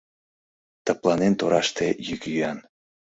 Тыпланен тораште йӱк-йӱан.